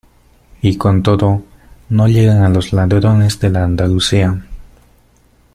y con todo no llegan a los ladrones de la Andalucía.